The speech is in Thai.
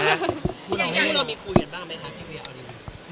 เรื่องนี้เรามีคุยกันบ้างไหมคะพี่เวียเอาดี